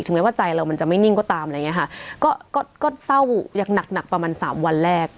แม้ว่าใจเรามันจะไม่นิ่งก็ตามอะไรอย่างเงี้ค่ะก็ก็เศร้าอย่างหนักหนักประมาณสามวันแรก